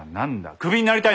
クビになりたいのか？